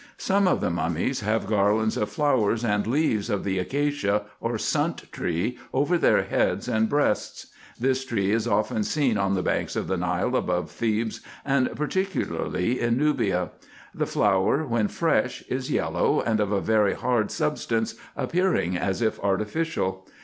Some of the mummies have garlands of flowers, and leaves of the acacia, or sunt tree, over their heads and breasts. This tree is often seen on the banks of the Nile, above Thebes, and particularly in Nubia. The flower, when fresh, is yellow, and of a very hard substance, appearing as if artificial.